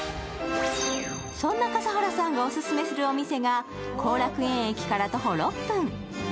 そんな笠原さんがオススメするお店が後楽園駅から徒歩６分。